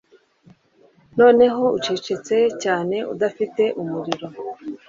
Noneho ucecetse cyane udafite umuriro